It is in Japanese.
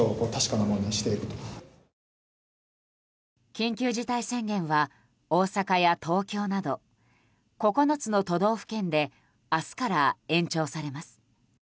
緊急事態宣言は大阪や東京など９つの都道府県で明日から延長されます。